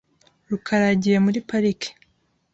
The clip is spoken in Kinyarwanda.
rukara yagiye muri parike .